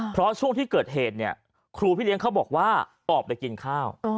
เพราะช่วงที่เกิดเหตุเนี่ยครูพี่เลี้ยงเขาบอกว่าออกไปกินข้าว